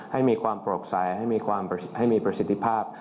ให้มีความโปร่งใสให้มีประสิทธิภาพ